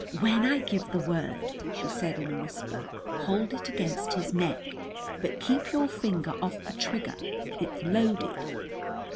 "When I give the word," she said in a whisper, "hold it against his neck. But keep your finger off the trigger. It's loaded."